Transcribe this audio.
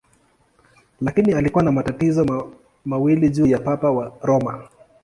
Lakini alikuwa na matatizo mawili juu ya Papa wa Roma.